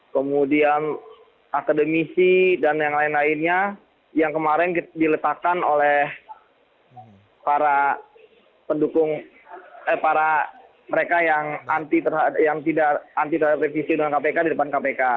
kemudian akademisi dan yang lain lainnya yang kemarin diletakkan oleh para pendukung eh para mereka yang tidak anti terhadap revisi undang kpk di depan kpk